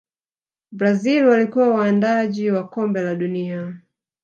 brazil walikuwa waandaaji wa kombe la dunia